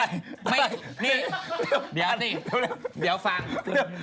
เดี๋ยวสิเดี๋ยวฟัง